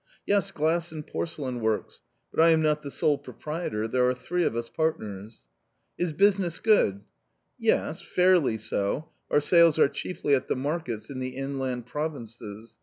" Yes, glass and porcelain works : but I am not the sole proprietor, mere are three of us partners." " Is business good ?"" Yes, fairly so ; our sales are chiefly at the markets in the inland provinces.